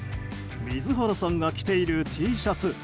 水原さんが着ているＴシャツ。